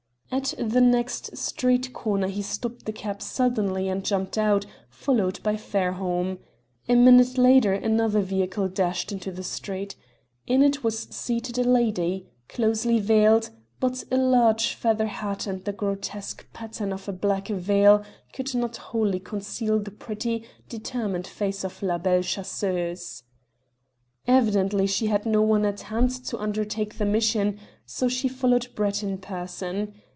At the next street corner he stopped the cab suddenly, and jumped out, followed by Fairholme. A minute later another vehicle dashed into the street. In it was seated a lady, closely veiled; but a large feather hat and the grotesque pattern of a black veil could not wholly conceal the pretty, determined face of La Belle Chasseuse. Evidently she had no one at hand to undertake the mission, so she followed Brett in person.